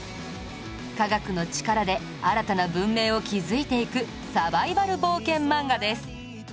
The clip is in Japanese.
科学の力で新たな文明を築いていくサバイバル冒険漫画です